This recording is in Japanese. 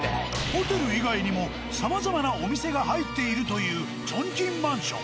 ホテル以外にもさまざまなお店が入っているというチョンキンマンション。